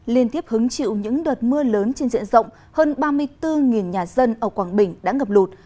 liên tiếp hứng chịu những đợt mưa lớn trên diện rộng hơn ba mươi bốn nhà dân ở quảng bình đã ngập lụt